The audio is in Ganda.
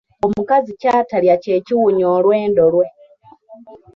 Omukazi kyatalya kye kiwunya olwendo lwe.